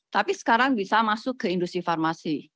tapi sekarang bisa masuk ke industri farmasi